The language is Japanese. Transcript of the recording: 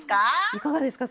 いかがですか？